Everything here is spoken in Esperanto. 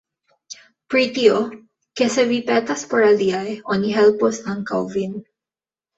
Pri tio, ke se vi petas por aliaj, oni helpos ankaŭ vin.